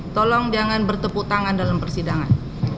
tolong jangan bertepuk tangan dalam persidangan